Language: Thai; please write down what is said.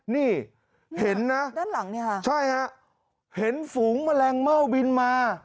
นี่เห็นนะด้านหลังเนี่ยค่ะใช่ฮะเห็นฝูงแมลงเม่าบินมา